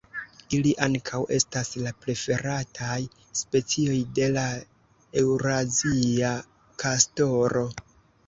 Ili ankaŭ estas la preferataj specioj de la eŭrazia kastoro.